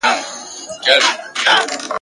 چي ګوندي ستا په نه راختلو !.